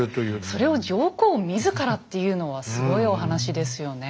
それを上皇自らっていうのはすごいお話ですよね。